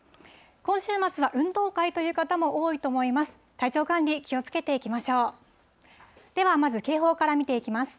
今週末は運動会という方も多いと思います。